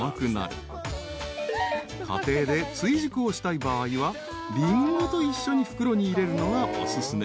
［家庭で追熟をしたい場合はリンゴと一緒に袋に入れるのがお勧め］